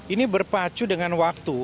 ini berpacu dengan waktu